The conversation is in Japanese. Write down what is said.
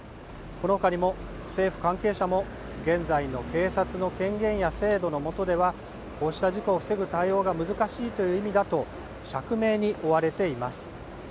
この他にも政府関係者も現在の警察の権限や制度のもとではこうした事故を防ぐ対応が難しいという意味だと釈明に追われています。